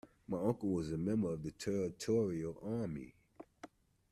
My uncle was a member of the Territorial Army